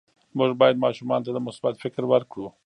موږ باید ماشومانو ته مثبت فکر ورکړو.